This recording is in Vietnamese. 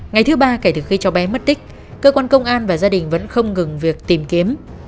ngày thứ ba kể từ khi cháu bé mất tích cơ quan công an và gia đình vẫn không ngừng việc tìm kiếm